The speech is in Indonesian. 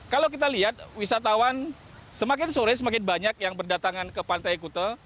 kalau kita lihat wisatawan semakin sore semakin banyak yang berdatangan ke pantai kute